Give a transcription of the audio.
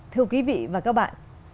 thưa quý vị và các bạn